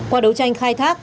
qua đấu tranh khai thác